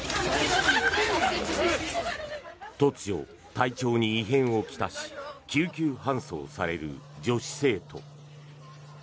突如、体調に異変を来し救急搬送される女子生徒。